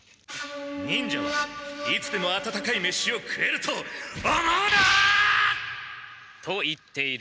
忍者はいつでも温かい飯を食えると思うな！と言っている。